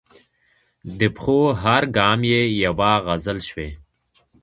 د پښو هر ګام یې یوه غزل شوې.